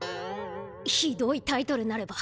ひどいタイトルなれば。